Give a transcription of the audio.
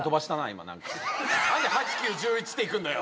今何か何で８９１１っていくんだよ